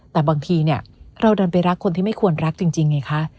แต่บางทีเนี่ยเราดันไปรักคนที่ไม่ควรรักจริงไงคะ